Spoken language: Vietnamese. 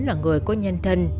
là người có nhân thân